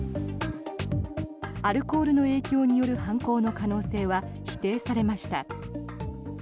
アルコールの影響による犯行の可能性は否定されました。